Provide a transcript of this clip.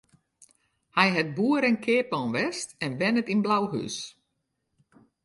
Hy hat boer en keapman west en wennet yn Blauhús.